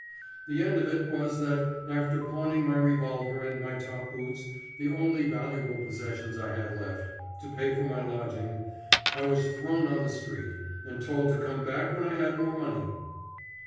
The end of it was that, after pawning my revolver and my top boots, the only valuable possessions I had left, to pay for my lodging, I was thrown on the street, and told to come back when I had more money.